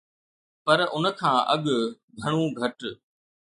پر ان کان اڳ گهڻو گهٽ